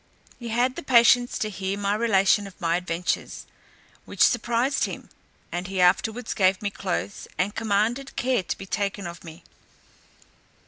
He had the patience to hear the relation of my adventures, which surprised him; and he afterwards gave me clothes, and commanded care to be taken of me.